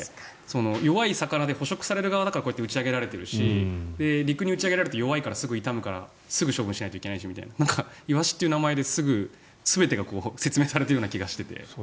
弱い魚で、捕食される側だからこうやって打ち上げられているし陸に打ち上げられると弱いからすぐに処分しなくちゃいけないとイワシという名前で全てが説明されているような気がしていて。